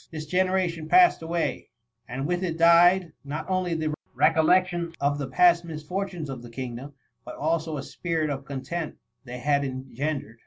This generation passed away, and with it died, not only the recollection of the past mis fortunes of the kingdom, but also the spirit of content they had engendered.